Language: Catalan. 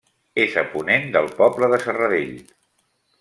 És a ponent del poble de Serradell.